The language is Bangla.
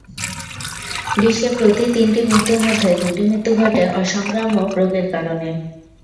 বিশ্বে প্রতি তিনটি মৃত্যুর মধ্যে দুটি মৃত্যু ঘটে অসংক্রামক রোগের কারণে।